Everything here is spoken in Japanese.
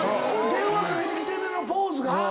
電話かけてきてねのポーズが⁉